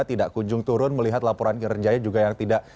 tidak kunjung turun melihat laporan kerenjaya juga yang tidak